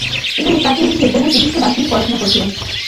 এখানে প্রাচীন বিশ্বের বহু বিশিষ্ট দার্শনিক পড়াশোনা করেছিলেন।